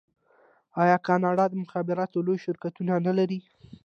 آیا کاناډا د مخابراتو لوی شرکتونه نلري؟